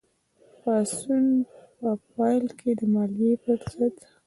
پاڅون په پیل کې د مالیې په ضد و.